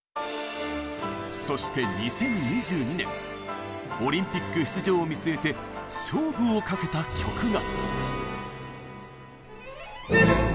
そして２０２２年オリンピック出場を見据えて勝負をかけた曲が。